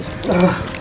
elsa ya allah